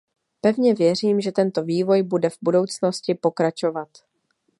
Pevně věřím, že tento vývoj bude v budoucnosti pokračovat.